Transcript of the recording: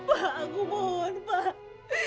pak aku mohon pak